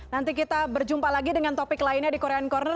nanti kita berjumpa lagi dengan topik lainnya di korean corner